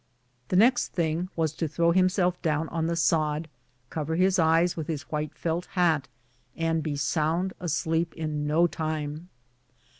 The next thing 43 BOOTS AND SADDLES. was to throw himself down on the sod, cover his eyes with his white felt hat, and be sound asleep in no time.